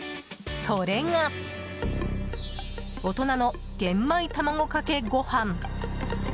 それが、大人の玄米卵かけごはん。